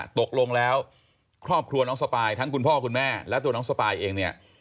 ตกลงแล้วครอบครัวน้องสปายทั้งคุณพ่อคุณแม่และตัวน้องสปายเองเนี่ย